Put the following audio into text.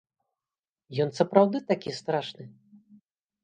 Ён сапраўды такі страшны?